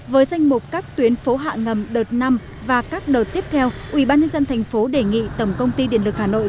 với danh mục các tuyến phố hạ ngầm đợt năm và các đợt tiếp theo ủy ban nhân dân tp đề nghị tổng công ty điện lực hà nội